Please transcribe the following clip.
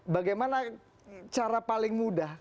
bagaimana cara paling mudah